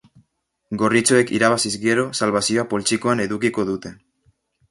Gorritxoek irabaziz gero, salbazioa poltsikoan edukiko dute.